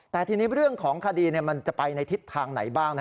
แต่ทีนี้เรื่องของคดีมันจะไปในทิศทางไหนบ้าง